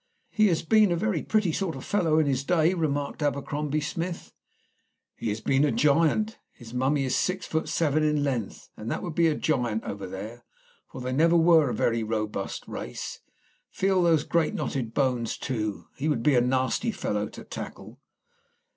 "He has been a very pretty sort of fellow in his day," remarked Abercrombie Smith. "He has been a giant. His mummy is six feet seven in length, and that would be a giant over there, for they were never a very robust race. Feel these great knotted bones, too. He would be a nasty fellow to tackle."